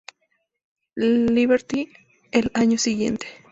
Liberty" el año siguiente.